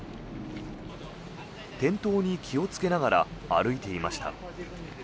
転倒に気をつけながら歩いていました。